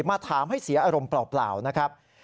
มาถามให้เสียอารมณ์เปล่านะครับ